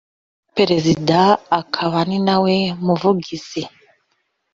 perezida akaba ninawe umuvugizi .